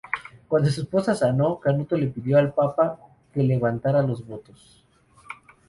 Cuando su esposa sanó, Canuto pidió al Papa que le levantara los votos.